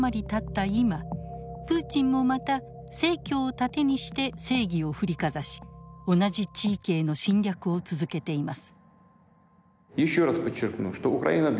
今プーチンもまた正教を盾にして「正義」を振りかざし同じ地域への侵略を続けています。